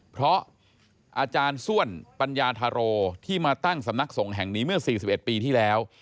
เพราะอาจารย์ส้วนปัญญาธาโรที่มาตั้งสำนักสงฆ์แห่งนี้เมื่อ๔๑ปีที่แล้ว